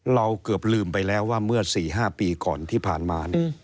เราเกือบลืมไปแล้วว่าเมื่อ๔๕ปีก่อนที่ผ่านมา